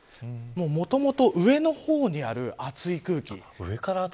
もともと上の方にあるあつい空気。